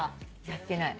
やってない。